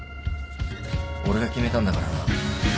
俺が決めたんだからな。